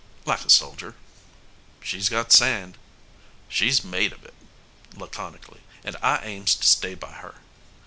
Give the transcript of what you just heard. "Like a soldier." "She's got sand." "She's made of it," laconically, "and I aims to stay by her."